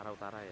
arah utara ya